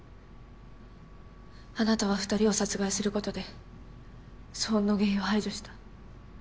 あなたは２人を殺害することで騒音の原因を排除した。